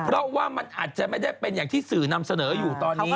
เพราะว่ามันอาจจะไม่ได้เป็นอย่างที่สื่อนำเสนออยู่ตอนนี้